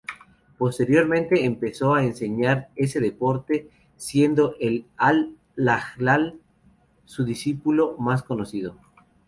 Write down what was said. Posteriormente, empezó a enseñar ese deporte, siendo al-Lajlaj su discípulo más conocido.